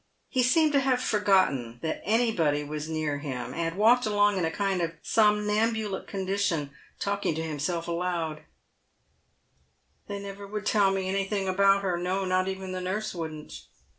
He seemed to have forgotten that anybody was near him, and walked along in a kind of somnambulic condition, talking to himself aloud :" They never would tell me anything about her ; no, not even nurse wouldn't.